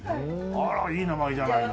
あらいい名前じゃないの。